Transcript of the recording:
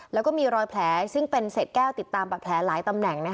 แล้วก็มีรอยแผลซึ่งเป็นเศษแก้วติดตามบัตรแผลหลายตำแหน่ง